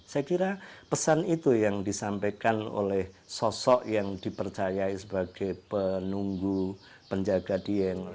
saya kira pesan itu yang disampaikan oleh sosok yang dipercayai sebagai penunggu penjaga dieng